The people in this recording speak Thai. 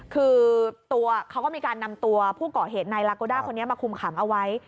คือตัวเขาก็มีการนำตัวผู้เกาะเหตุนายลาโกด้าคนนี้มาคุมขังเอาไว้